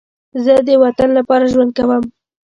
زه د وطن لپاره ژوند کوم